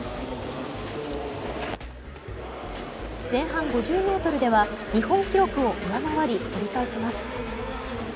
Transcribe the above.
前半５０ｍでは日本記録を上回り折り返します。